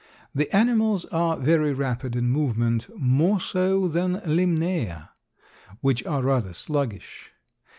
The animals are very rapid in movement, more so than Limnaea, which are rather sluggish.